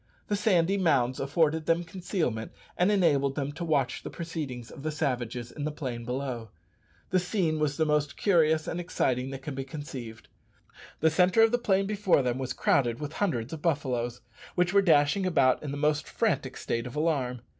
The sandy mounds afforded them concealment, and enabled them to watch the proceedings of the savages in the plain below. The scene was the most curious and exciting that can be conceived. The centre of the plain before them was crowded with hundreds of buffaloes, which were dashing about in the most frantic state of alarm.